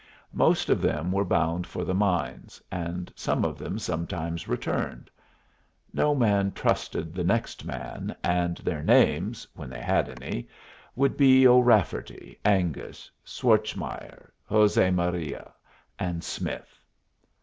Most of them were bound for the mines, and some of them sometimes returned. No man trusted the next man, and their names, when they had any, would be O'Rafferty, Angus, Schwartzmeyer, José Maria, and Smith.